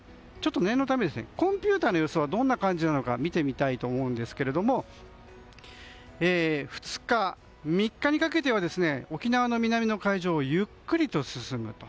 念のためコンピューターの予想がどんな感じなのか見てみたいと思うんですけども２日、３日にかけては沖縄の南の海上をゆっくりと進む。